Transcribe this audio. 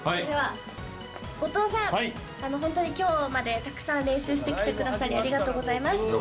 後藤さん、本当にきょうまでたくさん練習してきてくださり、ありがとうございます。